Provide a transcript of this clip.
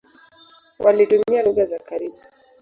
Walitumia lugha za karibu.